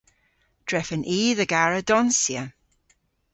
Drefen i dhe gara donsya.